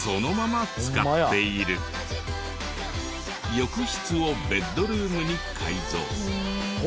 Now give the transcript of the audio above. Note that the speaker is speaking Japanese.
浴室をベッドルームに改造。